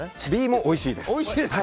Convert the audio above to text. Ｂもおいしいです。